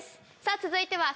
続いては。